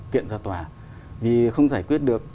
kiện ra tòa vì không giải quyết được